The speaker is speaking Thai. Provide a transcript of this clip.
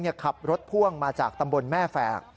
เขาเองขับรถพ่วงมาจากตำบลแม่แฝ่